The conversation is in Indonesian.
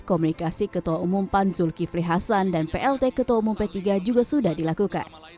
komunikasi ketua umum pan zulkifli hasan dan plt ketua umum p tiga juga sudah dilakukan